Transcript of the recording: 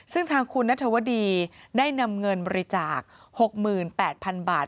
ซึ่งทางคุณนัทวดีได้นำเงินบริจาค๖๘๐๐๐บาท